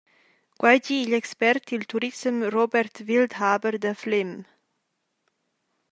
Quei di igl expert dil turissem Robert Wildhaber da Flem.